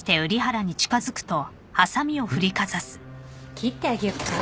切ってあげようか？